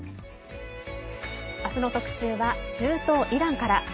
あすの特集は中東イランから。